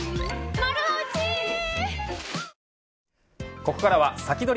ここからはサキドリ！